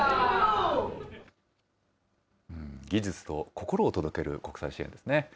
技術と心を届ける国際支援ですね。